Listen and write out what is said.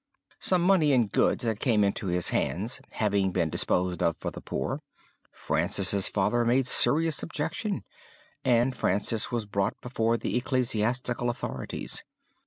Some money and goods that came into his hands having been disposed of for the poor, Francis' father made serious objection and Francis was brought before the ecclesiastical authorities.